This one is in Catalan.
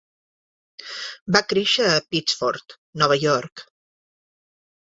Va créixer a Pittsford, Nova York.